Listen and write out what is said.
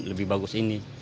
lebih bagus ini